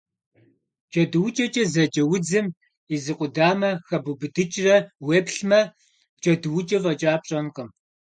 Джэдуукӏэкӏэ зэджэ удзым и зы къудамэ хэбубыдыкӏрэ уеплъмэ, джэдуукӏэ фӏэкӏа пщӏэнкъым.